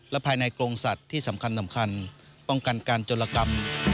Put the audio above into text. ภายในกรงสัตว์ที่สำคัญป้องกันการจรกรรม